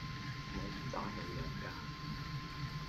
我唔打女人㗎